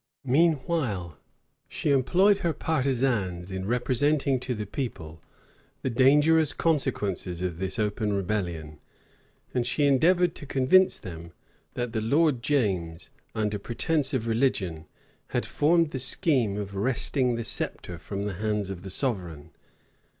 Meanwhile, she employed her partisans in representing to the people the dangerous consequences of this open rebellion; and she endeavored to convince them, that the Lord James, under pretence of religion, had formed the scheme of wresting the sceptre from the hands of the sovereign.